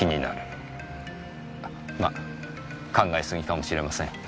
ま考え過ぎかもしれません。